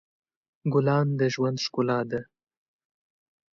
ګلان د ژوند ښکلا ده.